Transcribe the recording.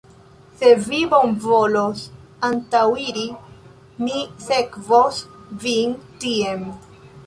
Se vi bonvolos antaŭiri, mi sekvos vin tien.